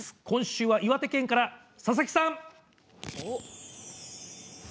今週は岩手県から佐々木さん。